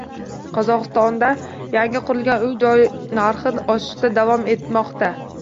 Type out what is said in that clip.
Qozog'istonda yangi qurilgan uy -joy narxi oshishda davom etmoqda